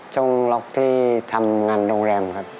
ช่วงรอบที่ทำงานโรงแรมครับ